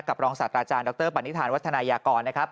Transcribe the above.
รองศาสตราจารย์ดรปณิธานวัฒนายากรนะครับ